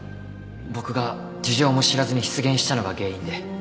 僕が事情も知らずに失言したのが原因で